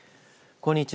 こんにちは。